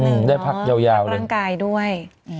อืมได้พักแยวเลยพักร่างกายด้วย